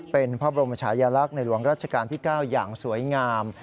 เป็นพระบรมชายลักษณ์ในหลวงรัชกาลที่๙อย่างสวยงาม